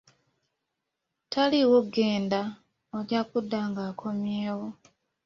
"Taliiwo, genda ojja kudda ng'akomyewo."